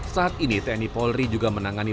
saat ini tni polri juga menangani